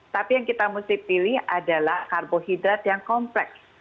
tapi yang kita mesti pilih adalah karbohidrat yang kompleks